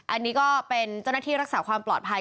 อันนี้ก็เป็นเจ้าหน้าที่รักษาความปลอดภัย